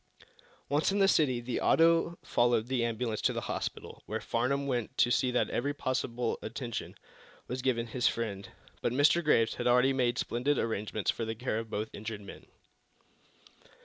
Once in the city the auto followed the ambulance to the hospital, where Farnum went to see that every possible attention was given his friend. But Mr. Graves had already made splendid arrangements for the care of both injured men.